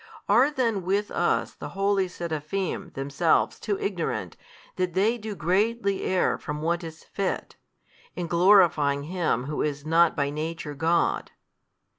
Are then with us the Holy Seraphim themselves too ignorant that they do greatly err from what is fit, in glorifying Him Who is not by Nature God?